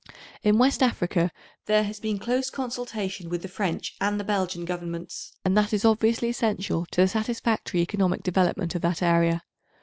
In West Africa there has been close consultation with the French and the Belgian Governments, and that is obviously essential to the satisfactory economic development of that area.